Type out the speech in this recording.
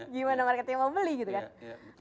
gimana marketnya mau beli gitu kan